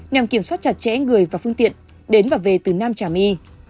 nhằm kiểm soát trà trẻ người và phương tiện đến và về từ nam trà my